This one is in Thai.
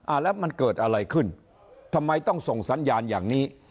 แล้วมันเกิดอะไรขึ้นทำไมต้องส่งสัญญาณอย่างนี้